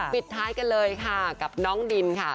ปิดท้ายกันเลยค่ะกับน้องดินค่ะ